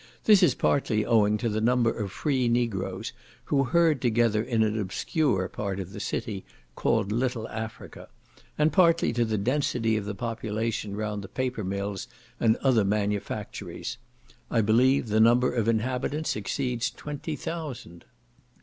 This is partly owing to the number of free Negroes who herd together in an obscure part of the city, called little Africa; and partly to the density of the population round the paper mills and other manufactories. I believe the number of inhabitants exceeds twenty thousand.